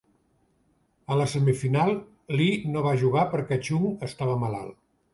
A la semifinal, Lee no va jugar perquè Choong estava malalt.